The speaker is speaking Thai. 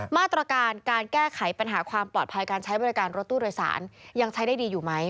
มาตรการการแก้ไขปัญหาความปลอดภัยการใช้บริการรถตู้โดยสารยังใช้ได้ดีอยู่ไหม